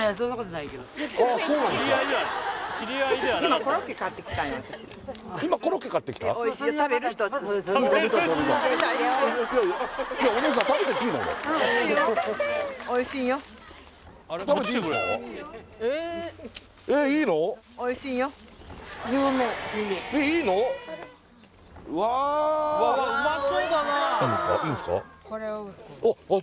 いいんですか？